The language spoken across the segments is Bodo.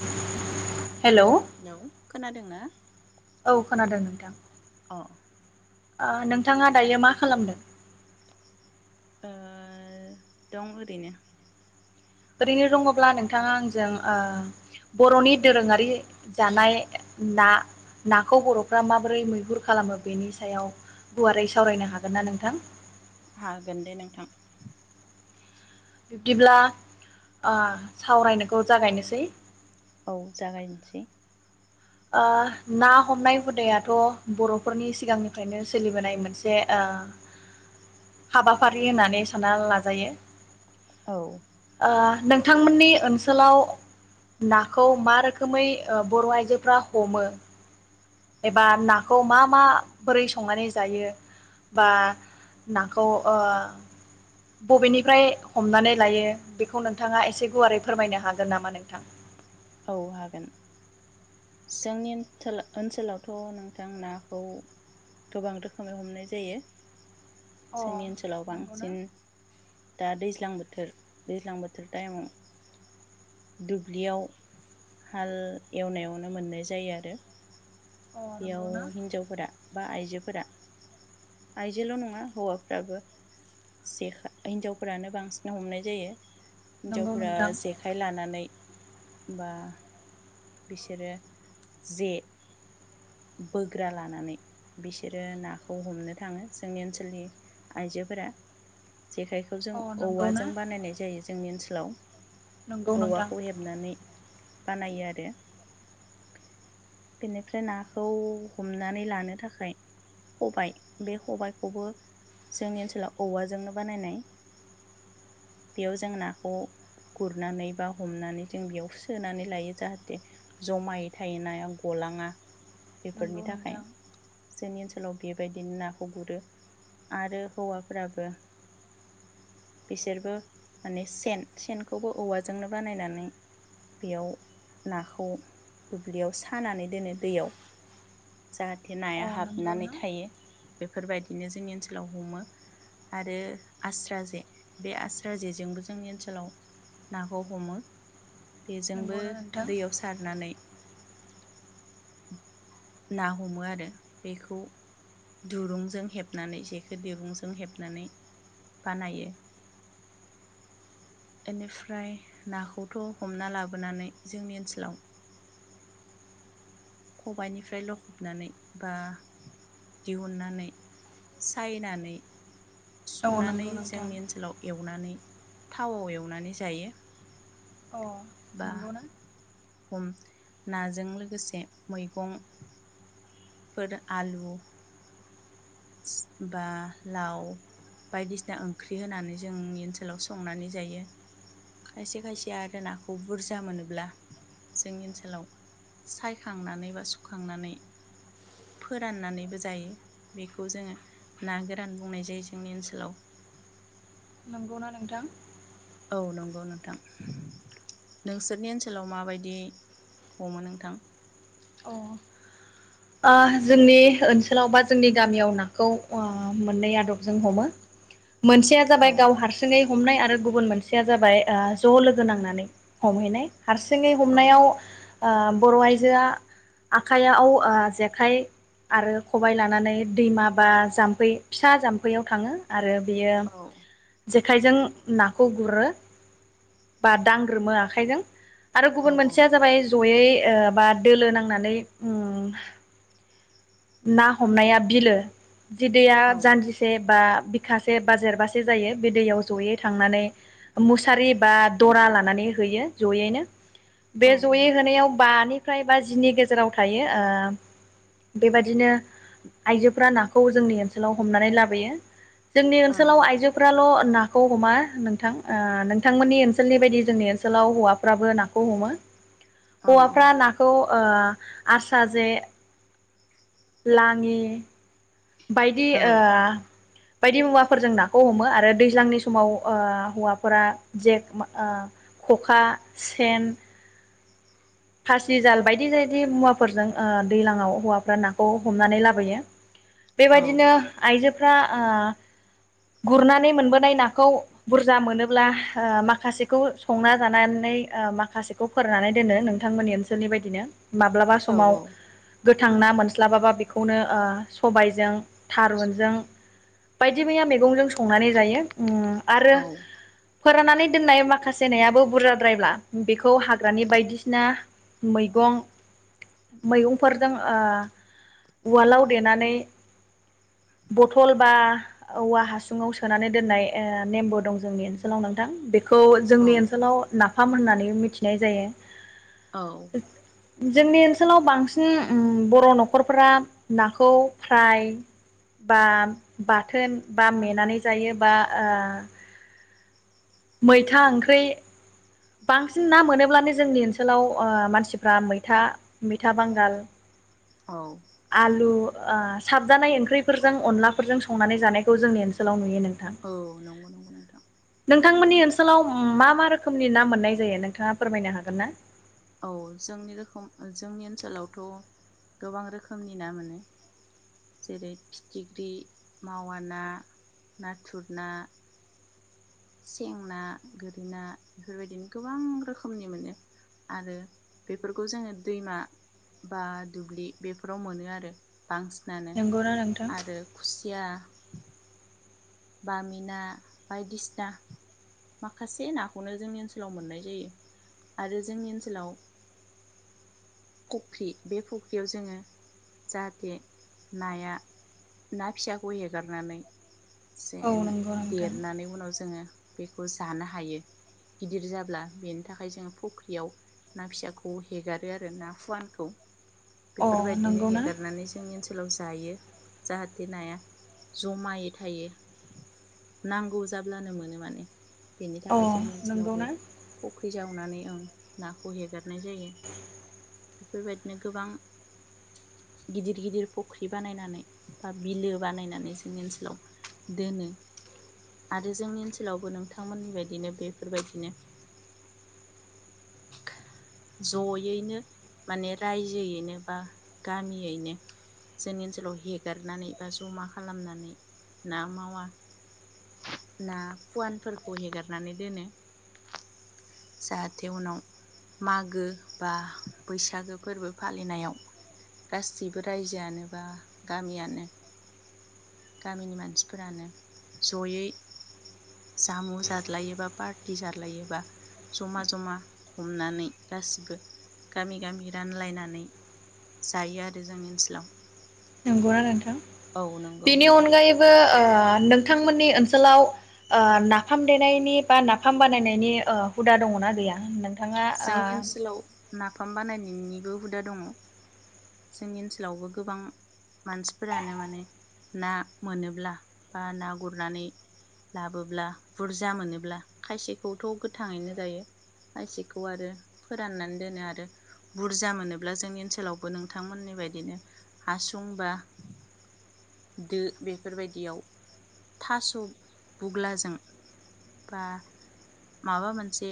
[unintelligible] हेलौ हेलौ खोनादोंना औ खोनादों नोंथां। अ ओ ओ नोंथाङा दायो मा खालामदों? ओ दं ओरैनो ओरैनो दङब्ला नोंथाङा आंजों ओ बर'नि दोरोङारि जानाय ना नाखौ बर'फ्रा माबोरै मैहुर खालामो बेनि सायाव गुवारै सावरायनो हागोन ना नोंथां। हागोन दे नोंथां बिब्दिब्ला ओ सावरायनोखौ जागायनोसै औ जागायनोसै ओ ना हमनाय हुदायाथ' बर'फोरनि सिगांनिफ्रायनो सोलिबोनाय मोनसे ओ हाबाफारि होननानै सानना लाजायो। औ ओ नोंथांमोननि ओनसोलाव नाखौ मा रोखोमै ओ बर' आइजो फ्रा हमो एबा नाखौ मा मा बोरै संनानै जायो बा नाखौ ओ बबेनिफ्राय हमनानै लायो बेखौ नोंथाङा एसे गुवारै फोरमायनो हागोन नामा नोंथां? औ हागोन जोंनि ओनथो ओनसोलावथ' नोंथां नाखौ गोबां रोखोमै हमनाय जायो। अ जोंनि ओनसोलाव नंगौना बांसिन दा दैज्लां बोथोर दैज्लां बोथोर टाइमाव दुब्लियाव हाल एवनायावनो मोननाय जायो आरो। अ बेयाव नंगौना हिन्जावफोरा बा आइजोफोरा आयजोल' नङा हौवाफ्राबो जेखा हिनजावफोरानो बांसिन हमनाय जायो नंगौ हिन्जावफोरा नोंथां जेखाइ लानानै बा बिसोरो जे बोग्रा लानानै बिसोरो नाखौ हमनो थाङो जोंनि ओनसोलनि आइजोफोरा जेखायखौ जों अ नंगौना औवाजों बानायनाय जायो जोंनि ओनसोलाव नंगौ नोंथां औवाखौ हेबनानै बानायो आरो बेनिफ्राय ना खौ हमनानै लानो थाखाय खबाइ बे खबाइखौबो जोंनि ओनसोलाव औवाजोंनो बानायनाय बेयाव जों नाखौ गुरनानै बा हमनानै जों बेयाव सोनानै लायो जाहाथे जमायै थायो नाया गलाङा। बेफोरनि नंगौ थाखाय नोंथां जोंनि ओनसोलाव उनाव बेबायदिनो नाखौ गुरो आरो हौवाफ्राबो बिसोरबो माने सेन सेनखौबो औवाजोंनो बानायनानै बेयाव नाखौ दुब्लियाव सानानै दोनो दैयाव जाहाथे अ नाया हाबनानै नंगौना थायो बेफोरबायदिनो जोंनि ओनसोलाव हमो आरो आस्रा जे बे आस्रा जेजोंबो जोंनि ओनसोलाव नाखौ हमो बेजोंबो नंगौना नोंथां दैयाव सारनानै [unintelligible] ना हमो आरो बेखौ दुरुंजों हेबनानै जेखौ दिरुंजों हेबनानै बानायो बेनिफ्राय नाखौथ हमना लाबोनानै जोंनि ओनसोलाव खबाइनिफ्राय लखबनानै बा दिहुननानै सायनानै औ सुनानै नंगौ नोंथां जोंनि ओनसोलाव एव नानै थावाव एवनानै जायो अ बा नंगौ ना हम नाजों लोगोसे मैगं फोर आलु बा लाव बायदिसिना ओंख्रि होनानै जोंनि ओनसोलाव संनानै जायो खायसे खायसे आरो नाखौ बुरजा मोनोब्ला जोंनि ओनसोलाव सायखांनानै बा सुखांनानै फोराननानैबो जायो बेखौ जोङो ना गोरान बुंनाय जायो जोंनि ओनसोलाव नंगौना नोंथां? औ नंगौ नोंथां नोंसोरनि ओनसोलाव माबायदि हमो नोंथां? अ आ जोंनि ओनसोलाव बा जोंनि गामियाव ओ नाखौ मोननै आदबजों हमो मोनसेया औ जाबाय गाव हारसिङै हमनाय आरो गुबुन मोनसेया जाबाय ज लोगो नांनानै हमहैनाय हारसिङै औ हमनायाव आ बर आइजोआ आखाइयाव जेखाइ आरो खबाइ लानानै दैमा बा जामफै फिसा जाम्फैयाव थाङो आरो बियो औ जेखाइजों नाखौ गुरो बा दांग्रोमो आखाइजों आरो औ गुबुन मोनसेया जाबाय जयै ओ बा दोलो नांनानै ओम ना हमनाया बिलो जि दैैया औ जानदिसे बा बिखासे बा जेरबासे जायो बे दैयाव जयै थांनानै मुसारि बा दरा लानानै होयो जयैनो बे औ जयै होनायाव बानि फ्राय बाजिनि गेजेराव थायो बेबादिनो आयजोफोरा नाखौ जोंनि ओनसोलाव हमनानै लाबोयो जोंनि औ ओनसोलाव आइजोफोराल नाखौ हमा नोंथां आ नोंथांमोननि ओनसोलनि बायदि जोंनि ओनसोलाव हौवाफ्राबो नाखौ हमो औ हौवाफ्रा नाखौ ओ आस्रा जे लाङि बायदि बायदि मुवाफोरजों नाखौ हमो आरो दैज्लांनि समाव हौवाफोरा जेक ओ खखा सेन फासिजाल बायदि बायदि मुवाफोरजों दैज्लाङाव हौवाफ्रा नाखौ हमनानै लाबोयो बेबायदिनो आइजो फ्रा ओ गुरनानै मोनबोनाय नाखौ बुरजा मोनोब्ला माखासेखौ संना जानानै माखासेखौ फोरनानै दोनो नों बिथांमोननि ओनसोलनि बायदिनो माब्लाबा औ समाव गोथां ना मोनस्लाबाबा बेखौनो सबायजों थारुनजों बायदि मैया मैगंजों संनानै जायो आरो फोराननानै दोननाय माखासे नायाबो बुरजाद्रायब्ला बेखौ हाग्रानि बायदिसिना ना मैगं मैगंफोरजों उवालाव दल बा औवा हासुङाव सोनानै दोननाय नेमबो दं जोंनि ओनसोलाव नोंथां औ जोंनि ओनसोलाव ना फाम होननानै मिथिनाय जायो औ जोंनि ओनसोलाव बांसिन बर' न'खरफोरा नाखौ फ्राय बा बाथोन बा मेनानै जायो बा ओ मैथा ओंख्रि बांसिन ना मोनोब्लानो जोंनि ओनसोलाव मानसिफ्रा मैथा मैथा बांगाल औ आलु ओ साबजानाय ओंख्रिफोरजों अनलाफोरजों संनानै जानायखौ जोंनि ओनसोलाव नुयो नों औ नंगौ नंगौ नोंथां नोंथांमोननि ओनसोलाव मा मा रोखोमनि ना मोननाय जायो नोंथाङा फोरमायनो हागोन ना औ जोंनि रोखोम जोंनि ओनसोलावथ' गोबां रोखोमनि ना मोनो जेरै फिथिख्रि मावा ना नाथुर ना सें ना गोरै ना बेफोरबायदिनो गोबां रोखोमनि मोनो आरो बेफोरखौ जोङो दैमा बा दुब्लि बेफोराव मोनो आरो बांसिनानो नंगौना नोंथां आरो खुसिया बामि ना बायदिसिना माखासे नाखौनो जोंनि ओनसोलाव मोननाय जायो आरो जोंनि ओनसोलाव फुख्रि बे फख्रियाव जोङो जाहाथे नाया ना फिसाखौ हगारनानै औ जेन नंगौ नोंथां देरनानै उनाव जोङो बेखौ जानो हायो गिदिर जाब्ला बेनि थाखाय जोङो फुख्रियाव ना फिसाखौ हेगारो आरो ना फुवानखौ अ बेफोरबायदिनो नंगौना हेगारनानै जोंनि ओनसोल लाव जायो जाहाथे नाया जमायै थायो नांगौ जाब्लानो मोनो माने बेनि अ थाखाय जोंनि ओनसोलाव बे नंगौना फुख्रि जाव नानै ओं नाखौ हेगारनाय जायो बेफोरबायदिनो गोबां गिदिर गिदिर फख्रि बानायनानै बा बिलो बानायनानै जोंनि ओनसोलाव दोनो आरो जोंनि ओनसोलावबो नोंथांमोननि बायदिनो बेफोरबायदिनो जयैनो माने रायजोयैनो बा गामियैनो जोंनि ओनसोलाव हेगारनानै बा जमा खालामनानै ना मावा ना फुवानफोरखौ हेगारनानै दोनो जाहाथे उनाव मागो बा बैसागो फोरबो फालिनायाव गासिबो रायजोआनो बा गामियानो गामिनि मानसिफोरानो जयै जामु जालायोबा पार्टि जालायोबा जमा जमा हमनानै गासिबो गामि गामि रानलायनानै जायो आरो जोंनि ओनसोलाव नोंगौना नोंथां औ नंगौ बेनि नोंथां अनगायैबो ओह नोंथांमोननि ओनसोलाव ओह नाफाम देनायनि बा नाफाम बानायनायनि ओह हुदा दङना गैया नोंथां थाङा ओ जोंनि ओनसोलाव नाफाम बानायनायनिबो हुदा दङ जोंनि ओनसोलावबो गोबां मानसिफोरानो माने ना मोनोब्ला बा ना गुरनानै लाबोब्ला बुरजा मोनोब्ला खायसेखौथ' गोथाङैनो जायो खायसे बखौ आरो फोराननानै दोनो आरो बुरजा मोनोब्ला जोंनि ओनसोलावबो नोंथांमोननि बाददिनो हासुं बा दो बेफोरबायदियाव थास' बुग्लाजों बा माबा मोनसे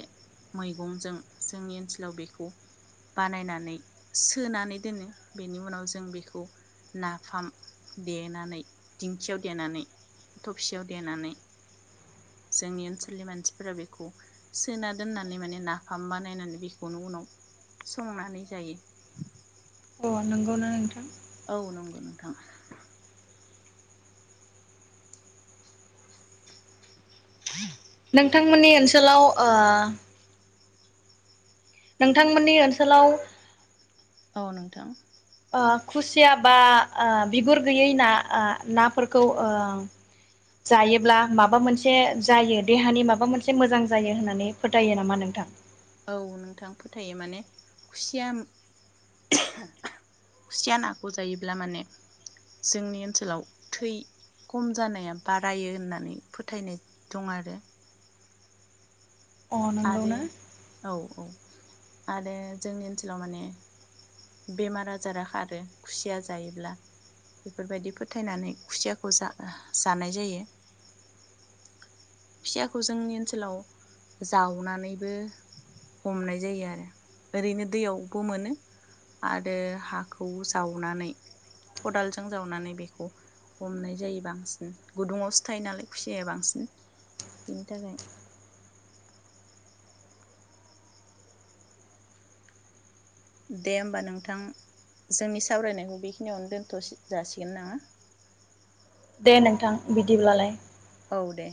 मैगंजों जोंनि ओनसोलाव बेखौ बानायनानै सोनानै दोनो बेनि उनाव जों बेखौ नाफाम देनानै दिंखियाव देनानै थबसियाव देनानै जोंनि ओनसोलनि मानसिफोरा बेखौ सोना दोननानै माने नाफाम बानायनानै बेखौनो उनाव संनानै जायो अ नोंगौना नोंथां औ नंगौ नोंथां [inaudible] नोंथांमोननि ओनसोलाव ओह नोंथांमोननि ओनसोलाव औ नोंथां ओ खुसिया बा ओ बिगुर गैयै ना ओ नाफोरखौ ओह जायोब्ला माबा मोनसे जायो देहानि माबा मोनसे मोजां जायो होननानै फोथायो नामा नोंथां? औ नोंथां फोथायो माने खुसिया खुसिया नाखौ जायोब्ला माने जोंनि ओनसोलाव थै खम जानाया बारायो होननानै फोथायनाय दं आरो। अ आरो नंगौना? औ औ आरो जोंनि ओनसोलाव माने बेमार आजारा खारो खुसिया जायोब्ला बेफोरबायदि फोथायनानै खुसियाखौ जा-जानाय जायो। खुसियाखौ जोंनि ओनसोलाव जावनानैबो हमनाय जायो आरो ओरैनो दैयावबो मोनो आरो हाखौ जावनानै खदालजों जावनानै बेखौ हमनाय जायो बांसिन गुदुङावसो थायो नालाय खुसियाया बांसिन बिनि थाखाय [inaudible] दे होमबा नोंथां जोंनि सावरायनायखौ बेखिनियावनो दोनथ' जासिगोन नङा? दे नोंथां बिदिब्लालाय। औ दे।